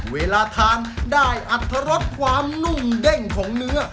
เวลาทานได้อัตรสความนุ่มเด้งของเนื้อ